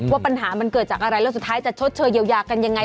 ว่าปัญหามันเกิดจากอะไรแล้วสุดท้ายจะชดเชยเยียวยากันยังไง